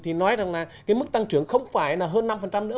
thì nói rằng là cái mức tăng trưởng không phải là hơn năm nữa